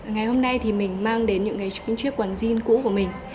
ngày hôm nay thì mình mang đến những chiếc quần jean cũ của mình